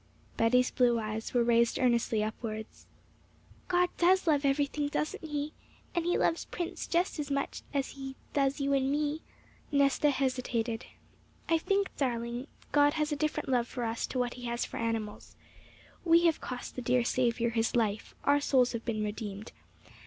Betty's blue eyes were raised earnestly upwards. 'God does love everything, doesn't He? And He loves Prince just as much as He does you and me.' Nesta hesitated. 'I think, darling, God has a different love for us to what He has for animals. We have cost the dear Saviour His life; our souls have been redeemed.